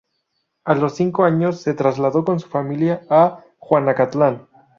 A los cinco años se trasladó con su familia a Juanacatlán.